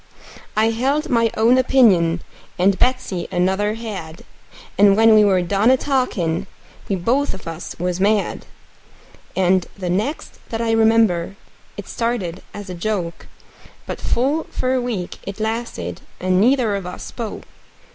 I held my own opinion, and Betsey another had; And when we were done a talkin', we both of us was mad. And the next that I remember, it started in a joke; But full for a week it lasted, and neither of us spoke.